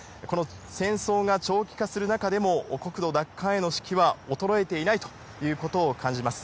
戦争が長期化する中でも、国土奪還への士気は衰えていないということを感じます。